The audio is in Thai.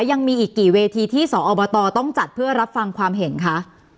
ยังมีอีกกี่เวทีที่สอบตต้องจัดเพื่อรับฟังความเห็นคะ